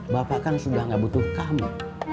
bapak kan sudah gak butuh kamu